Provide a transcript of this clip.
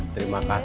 terima kasih kak